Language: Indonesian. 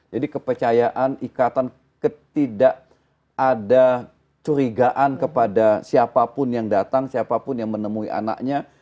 jadi kepercayaan ikatan ketidak ada curigaan kepada siapapun yang datang siapapun yang menemui anaknya